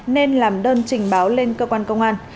nên làm đơn trình báo lên cơ quan công an